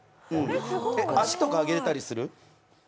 足とか上げられたりする？